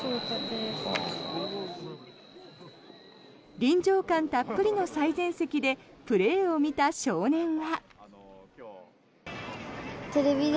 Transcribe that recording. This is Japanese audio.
臨場感たっぷりの最前席でプレーを見た少年は。